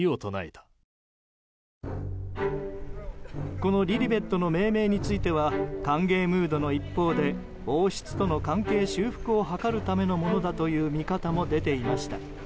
このリリベットの命名については歓迎ムードの一方で王室との関係修復を図るためのものだという見方も出ていました。